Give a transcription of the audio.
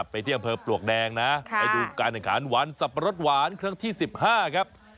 ไปที่อำเภอปลวกแดงนะไปดูการแข่งขันหวานสับปะรดหวานครั้งที่๑๕ครับ